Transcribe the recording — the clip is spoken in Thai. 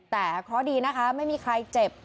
แต่เคราะห์ดีนะคะไม่มีใครเจ็บ